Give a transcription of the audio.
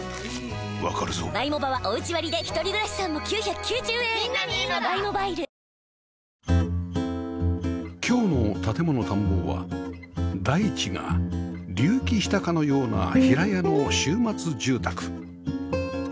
わかるぞ今日の『建もの探訪』は大地が隆起したかのような平屋の週末住宅